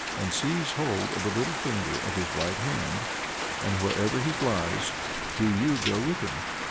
and seize hold of the little finger of his right hand, and wherever he flies do you go with him."